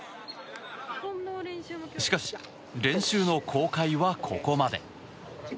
しかし、練習の公開はここまで。